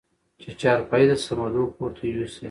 چې چارپايي د صمدو کورته يوسې؟